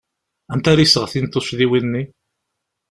Anta ara iseɣtin tuccḍiwin-nni?